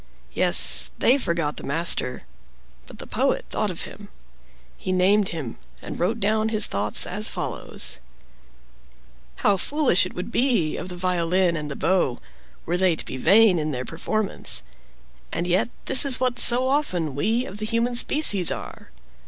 Yes, they forgot the master; but the Poet thought of him. He named him, and wrote down his thoughts as follows: "How foolish it would be of the violin and the bow, were they to be vain in their performance! And yet this is what so often we of the human species are.